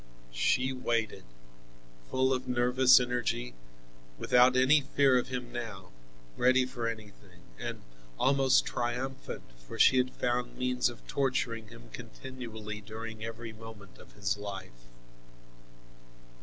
She waited, full of nervous energy, without any fear of him now, ready for anything, and almost triumphant, for she had found means of torturing him continually during every moment of his life.